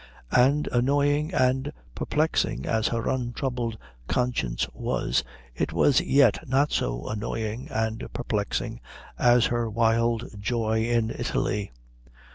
And annoying and perplexing as her untroubled conscience was it was yet not so annoying and perplexing as her wild joy in Italy.